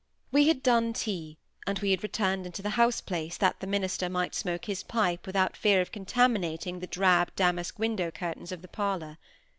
We had done tea, and we had returned into the house place that the minister might smoke his pipe without fear of contaminating the drab damask window curtains of the parlour.